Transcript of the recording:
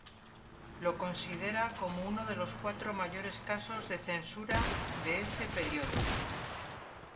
Lo considera como uno de las cuatro mayores casos de censura de ese periodo.